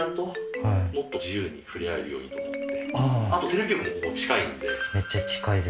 あとテレビ局もここ近いんで。